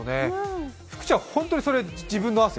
福ちゃん、本当にそれ自分の汗？